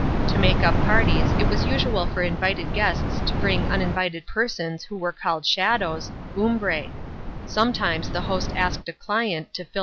To make up parties it was usual for invited guests to bring uninvited persons who were called '• shadows " (urnbree) ; sometimes the host asked a client to fill a vacant place.